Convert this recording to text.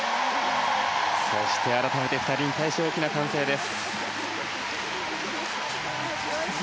そして改めて２人に対して大きな歓声です。